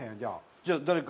じゃあ誰か。